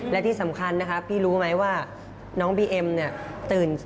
และที่สำคัญนะคะพี่รู้ไหมว่าน้องบีเอ็มเนี่ยตื่น